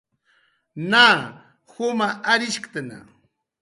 Na juma arishktna